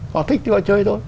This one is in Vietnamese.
họ thích thì họ chơi thôi